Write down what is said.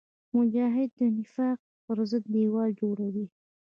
مجاهد د نفاق پر ضد دیوال جوړوي.